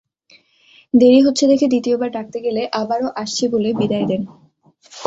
দেরি হচ্ছে দেখে দ্বিতীয়বার ডাকতে গেলে আবারও আসছি বলে বিদায় দেন।